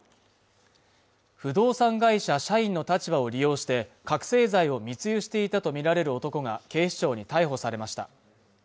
不動産会社社員の立場を利用して覚醒剤を密輸していたと見られる男が警視庁に逮捕されました